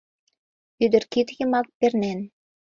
Ӱдыр кид йымак пернен